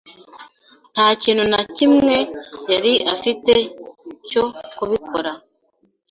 nta kintu na kimwe yari afite cyo kubikora.